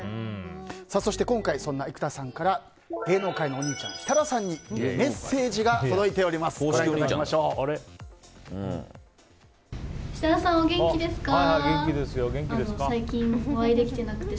そして今回そんな生田さんから芸能界のお兄ちゃん設楽さんにメッセージが設楽さん、お元気ですか？